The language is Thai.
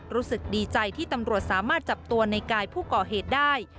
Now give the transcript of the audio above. รู้สึกดีใจที่ตำรวจสามารถจับตัวในกายผู้ก่อเหตุได้